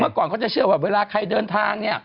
เมื่อก่อนเขาจะเชื่อว่าเวลาใครเดินทาง